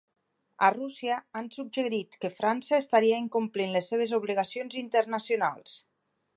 A Rússia han suggerit que França estaria incomplint les seves “obligacions” internacionals.